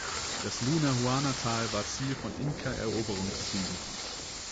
Das Lunahuana-Tal war Ziel von Inka Eroberungszügen.